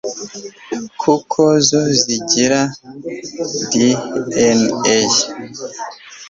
Kuko zo zigira DNA